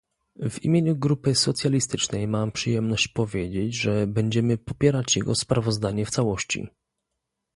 W imieniu Grupy Socjalistycznej mam przyjemność powiedzieć, że będziemy popierać jego sprawozdanie w całości